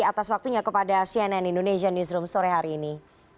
atas waktunya kepada cnn indonesia newsroom sore hari ini